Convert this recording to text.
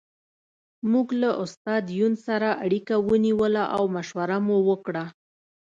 موږ له استاد یون سره اړیکه ونیوله او مشوره مو وکړه